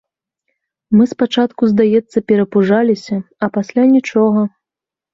Мы спачатку, здаецца, перапужаліся, а пасля нічога.